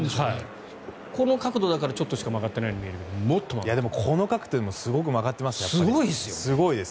この角度だからちょっとしか曲がってないように見えるけどでも角度でもすごく曲がってますね。